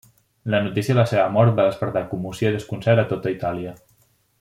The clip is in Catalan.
La notícia de la seva mort va despertar commoció i desconcert a tota Itàlia.